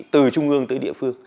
từ trung ương tới địa phương